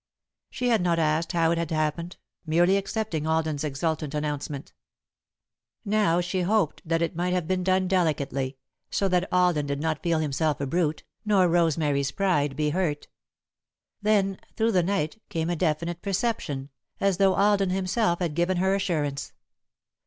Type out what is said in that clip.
She had not asked how it had happened, merely accepting Alden's exultant announcement. Now she hoped that it might have been done delicately, so that Alden need not feel himself a brute, nor Rosemary's pride be hurt. [Sidenote: A Sleepless Night] Then, through the night, came a definite perception, as though Alden himself had given her assurance.